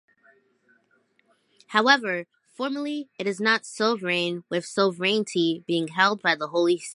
However, formally it is not sovereign, with sovereignty being held by the Holy See.